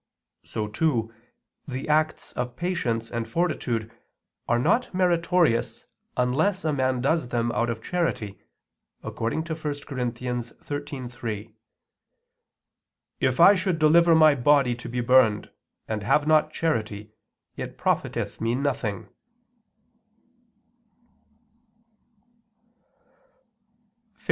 So, too, the acts of patience and fortitude are not meritorious unless a man does them out of charity, according to 1 Cor. 13:3: "If I should deliver my body to be burned, and have not charity, it profiteth me nothing."